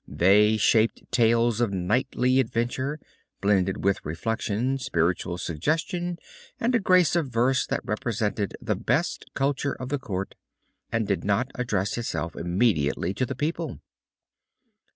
They shaped tales of knightly adventure, blended with reflection, spiritual suggestion, and a grace of verse that represented the best culture of the court, and did not address itself immediately to the people.